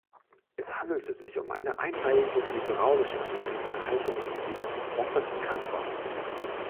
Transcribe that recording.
Es handelte sich um eine einreihige, hydraulisch angetriebene Halterung, die als „Boffin“ bekannt war.